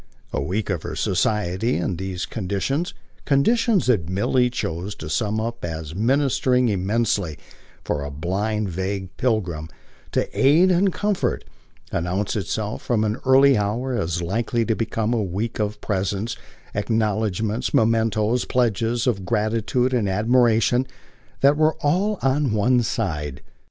A week of her society in these conditions conditions that Milly chose to sum up as ministering immensely, for a blind vague pilgrim, to aid and comfort announced itself from an early hour as likely to become a week of presents, acknowledgements, mementoes, pledges of gratitude and admiration, that were all on one side.